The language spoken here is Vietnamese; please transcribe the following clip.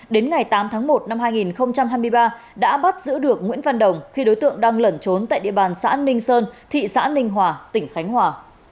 đến ngày tám tháng một năm hai nghìn hai mươi ba đã bắt giữ được nguyễn văn đồng khi đối tượng đang lẩn trốn tại địa bàn xã ninh sơn thị xã ninh hòa tỉnh khánh hòa